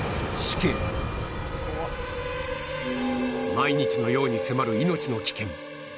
毎日のように迫る命の危険